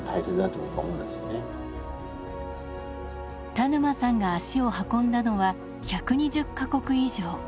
田沼さんが足を運んだのは１２０か国以上。